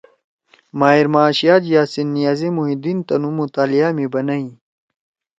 ماہر معاشیات یاسین نیاز محی الدین تنُو مطالعہ می بنَئی۔